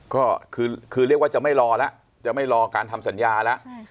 ก็คือเรียกว่าจะไม่รอแล้วจะไม่รอการทำสัญญาแล้ว